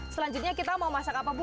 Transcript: selanjutnya kita mau masak apa bu